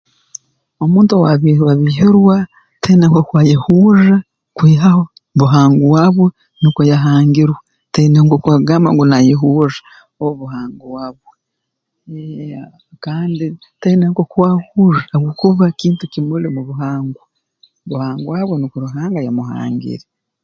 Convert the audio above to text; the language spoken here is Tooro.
Omuntu owaabiihirwa biihirwa taine nk'oku ayehurra kwihaho buhangwa bwe nukwo yahangirwe taine nk'oku akugamba ngu naayehurra obu buhangwa bwe eeh kandi taine nk'oku ahurra habwokuba kintu kimuli mu buhangwa buhangwa bwe nukwo Ruhanga yamuhangire